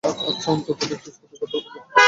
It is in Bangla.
আচ্ছা, অন্তত প্র্যাকটিস তো করতে পারব।